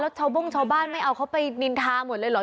ชาวโบ้งชาวบ้านไม่เอาเขาไปนินทาหมดเลยเหรอ